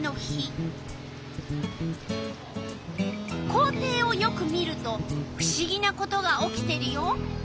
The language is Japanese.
校庭をよく見るとふしぎなことが起きてるよ！